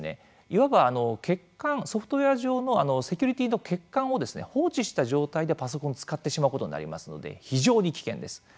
いわばソフトウエア上のセキュリティーの欠陥を放置した状態でパソコンを使ってしまうことになりますので非常に危険です。